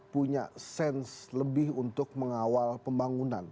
punya sense lebih untuk mengawal pembangunan